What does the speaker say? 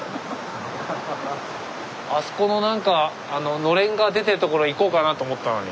あそこのなんかのれんが出てるところ行こうかなと思ったのに。